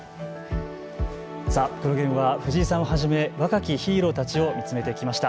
さあ、クロ現は藤井さんをはじめ若きヒーローたちを見つめてきました。